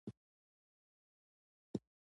د هغې دننه له الیافو ډک وي چې سپک وي د کار لپاره.